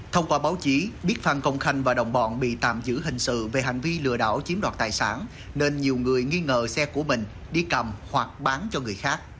thông qua báo chí biết phan công khanh và đồng bọn bị tạm giữ hình sự về hành vi lừa đảo chiếm đoạt tài sản nên nhiều người nghi ngờ xe của mình đi cầm hoặc bán cho người khác